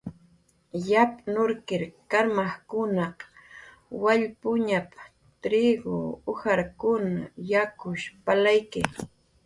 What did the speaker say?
"Yapn nurkir karmajkunaq wallpuñap"" triku, ujarkun yakush palayki"